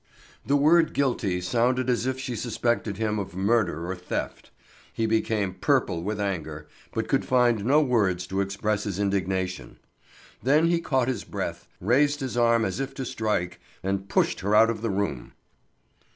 The word "guilty" sounded as if she suspected him of murder or theft. He became purple with anger, but could find no words to express his indignation. Then he caught his breath, raised his arm as if to strike, and pushed her out of the room.